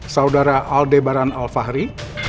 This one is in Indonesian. saudara aldebaran alfahri